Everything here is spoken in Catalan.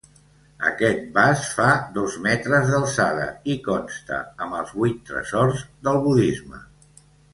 Aquest vas fa dos metres d'alçada i consta amb els vuit tresors del budisme.